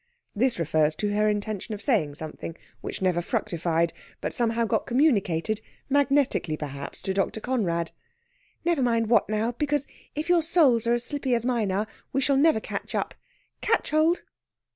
This refers to her intention to say something, which never fructified; but somehow got communicated, magnetically perhaps, to Dr. Conrad. "Never mind what, now. Because if your soles are as slippy as mine are, we shall never get up. Catch hold!"